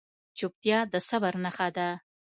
چپتیا، د صبر نښه ده.